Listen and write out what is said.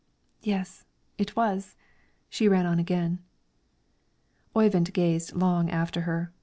"Yes, it was." She ran on again. Oyvind gazed long after her.